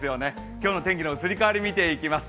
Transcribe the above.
今日の天気の移り変わり、見ていきます。